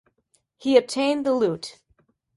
He obtained the Lieut.